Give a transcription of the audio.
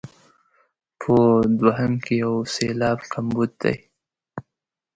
په دوهم کې یو سېلاب کمبود دی.